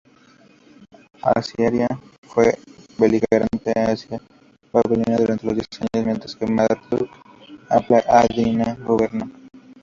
Asiria fue beligerante hacia Babilonia durante diez años, mientras que Marduk-apla-iddina gobernó.